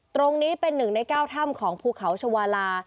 ตรงนี้เป็นหนึ่งใน๙ถ้ำของภูเขาชาวาลา